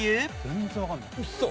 全然わかんない。